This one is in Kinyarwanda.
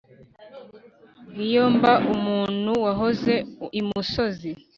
iyo mba umuntu wahoze imusozi